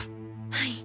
はい。